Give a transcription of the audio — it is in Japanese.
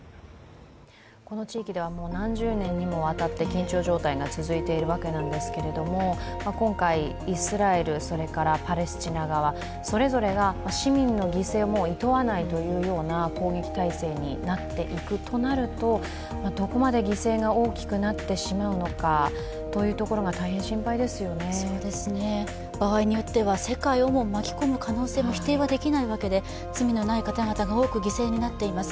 この地域では何十年にもわたって緊張状態が続いているわけなんですけれども、今回、イスラエル、それからパレスチナ側それぞれが市民の犠牲をいとわないというような攻撃態勢になっていくとなると、どこまで犠牲が大きくなってしまうのかというところが場合によっては世界をも巻き込む可能性も否定はできないわけで罪のない方々が多く犠牲になっています。